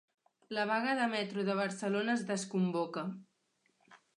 La vaga de Metro de Barcelona es desconvoca